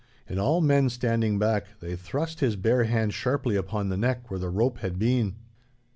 And, all men standing back, they thrust his bare hand sharply upon the neck where the rope had been.